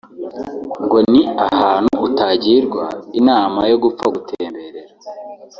ngo ni ahantu utagirwa inama yo gupfa gutemberera